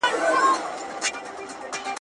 مړی هر وخت په قيامت رضا وي.